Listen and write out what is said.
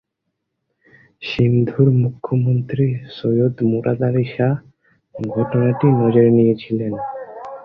সিন্ধুর মুখ্যমন্ত্রী সৈয়দ মুরাদ আলী শাহ ঘটনাটি নজরে নিয়েছিলেন।